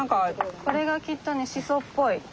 これがきっとねシソっぽい。